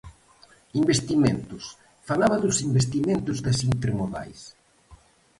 Investimentos, falaba dos investimentos das intermodais.